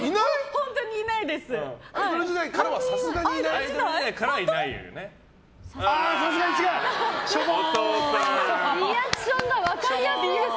本当にいないです。